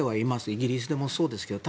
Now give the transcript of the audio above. イギリスでもそうですけど。